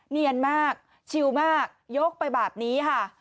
เนียนมากชิวมากยกไปแบบนี้ค่ะ